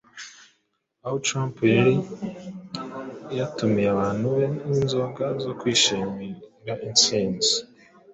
aho Trump yari yatumiye abantu be n'inzoga zo kwishimira intsinzi